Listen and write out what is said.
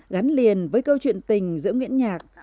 gắn liền với câu chuyện tình giữa nguyễn nhạc